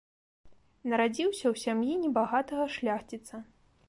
Нарадзіўся ў сям'і небагатага шляхціца.